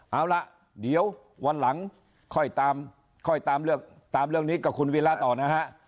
เอาล่ะเดี๋ยววันหลังค่อยตามเรื่องนี้กับคุณวิล่าต่อนะฮะ